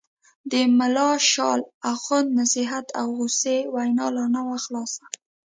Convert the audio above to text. د ملا شال اخُند نصیحت او غوسې وینا لا نه وه خلاصه.